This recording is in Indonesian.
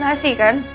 kita akan melahirkan